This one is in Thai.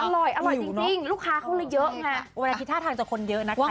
อร่อยจริงลูกค้าเขาเลยเยอะ